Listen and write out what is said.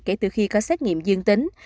kể từ khi có xét nghiệm dương tính